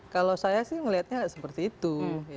kalau saya sih melihatnya seperti itu